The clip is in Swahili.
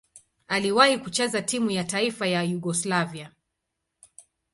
Aliwahi kucheza timu ya taifa ya Yugoslavia.